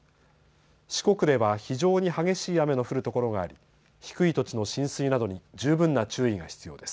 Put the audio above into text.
四国では非常に激しい雨の降る所があり低い土地の浸水などに十分な注意が必要です。